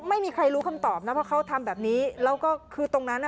ไม่มีใครรู้คำตอบนะเพราะเขาทำแบบนี้แล้วก็คือตรงนั้นอ่ะ